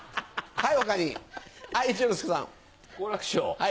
はい。